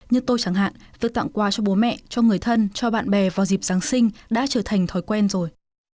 như tôi chẳng hạn tôi tặng quà cho bố mẹ cho người thân cho bạn bè vào dịp giáng sinh đã trở thành thói quen rồi